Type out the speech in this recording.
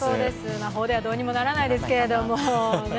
魔法ではどうにもならないですけれども。